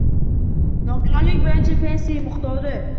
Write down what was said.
Nogironlik bo‘yicha pensiya miqdori